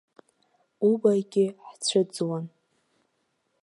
Убаҩгьы ҳцәыӡуан.